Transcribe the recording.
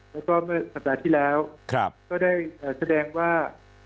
แล้วก็เมื่อสัปดาห์ที่แล้วก็ได้แสดงว่า